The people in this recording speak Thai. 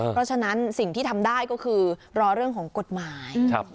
เพราะฉะนั้นสิ่งที่ทำได้ก็คือรอเรื่องของกฎหมาย